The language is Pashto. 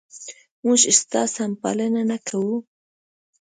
موږ ستا سمه پالنه نه کوو؟